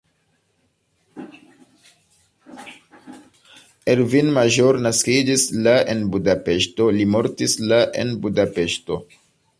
Ervin Major naskiĝis la en Budapeŝto, li mortis la en Budapeŝto.